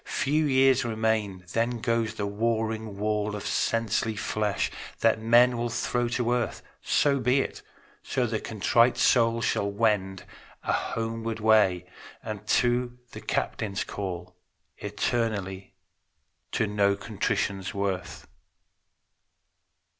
Few years remain; then goes the warring wall Of sensely flesh, that men will throw to earth. So be it; so the contrite soul shall wend A homeward way unto the Captain's call, Eternally to know contrition's worth.